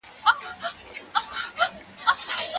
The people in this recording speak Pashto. دغه حاجي چي دی د پوهني په برخي کي لوی قدم اخلي.